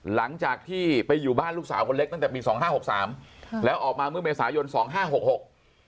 หลังจากที่ไปอยู่บ้านลูกสาวคนเล็กตั้งแต่ปีสองห้าหกสามแล้วออกมาเมื่อเมษายนสองห้าหกหก